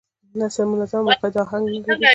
نثر منظم او با قاعده اهنګ نه لري.